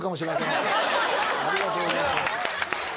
ありがとうございます。